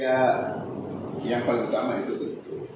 ya yang paling utama itu tentu